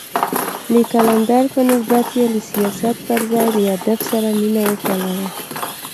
د قلندر په نسبت يې له سياست پر ځای له ادب سره مينه وپالله.